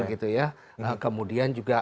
gitu ya kemudian juga